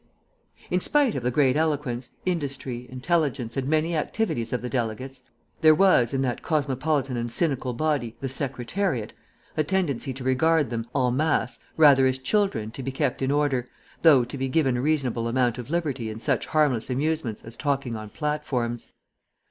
In spite of the great eloquence, industry, intelligence, and many activities of the delegates, there was, in that cosmopolitan and cynical body, the Secretariat, a tendency to regard them, en masse, rather as children to be kept in order, though to be given a reasonable amount of liberty in such harmless amusements as talking on platforms.